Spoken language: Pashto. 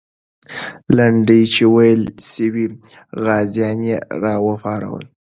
لنډۍ چې ویلې سوې، غازیان یې راوپارول.